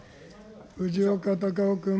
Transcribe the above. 藤岡隆雄君。